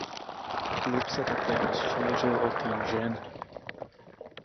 Klub se také rozšířil o tým žen.